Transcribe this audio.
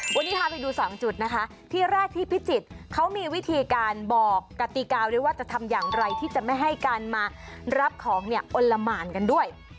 วันนี้พาไปดูสองจุดนะคะที่แรกที่พิจิตรเขามีวิธีการบอกกติกาด้วยว่าจะทำอย่างไรที่จะไม่ให้การมารับของเนี่ยอลละหมานกันด้วย